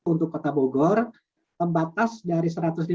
untuk kota bogor batas dari satu ratus lima puluh ini selalu terlampaui